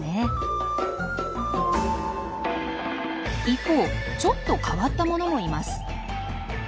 一方ちょっと変わったものもいます。